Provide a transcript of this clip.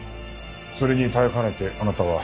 それに耐えかねてあなたは。